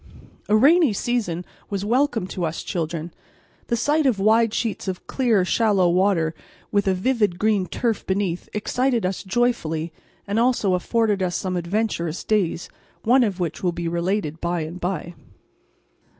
A rainy season was welcome to us children: the sight of wide sheets of clear shallow water with a vivid green turf beneath excited us joyfully, and also afforded us some adventurous days, one of which will be related by and by.